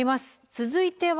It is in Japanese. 続いては。